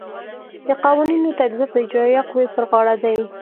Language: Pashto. د قوانینو تطبیق د اجرائیه قوې پر غاړه دی.